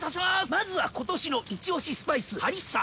まずは今年のイチオシスパイスハリッサ！